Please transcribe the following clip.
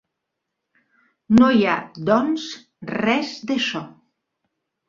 No hi ha, doncs, res d'això.